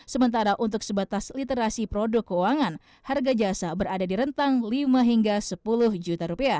sementara untuk sebatas literasi produk keuangan harga jasa berada di rentang rp lima hingga rp sepuluh juta